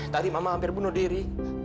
tadi mama hampir bunuh diri